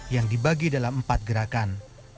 yang dibagi dalam empat gerakan